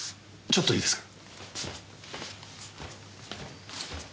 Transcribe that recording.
ちょっといいですか。